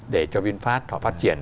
để cho vinfast phát triển